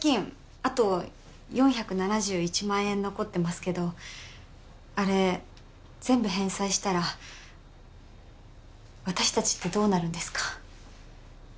あと４７１万円残ってますけどあれ全部返済したら私達ってどうなるんですか？